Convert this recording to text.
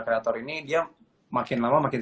kreator ini dia makin lama makin